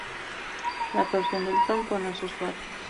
La torsión del tronco no es usual.